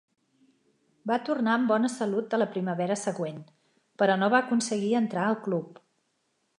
Va tornar amb bona salut a la primavera següent, però no va aconseguir entrar al club.